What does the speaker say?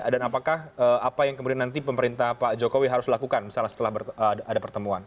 dan apakah apa yang kemudian nanti pemerintah pak jokowi harus lakukan misalnya setelah ada pertemuan